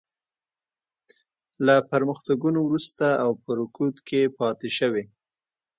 له پرمختګونو وروسته او په رکود کې پاتې شوې.